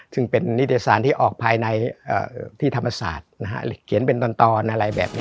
ซึ่งเป็นนิตยสารที่ออกภายในที่ธรรมศาสตร์เขียนเป็นตอนอะไรแบบนี้